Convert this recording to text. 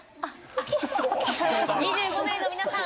２５名の皆さん